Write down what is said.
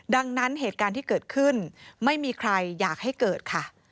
ดังนั้นเหตุการณ์ที่เกิดขึ้นไม่มีใครอยากให้เกิดค่ะ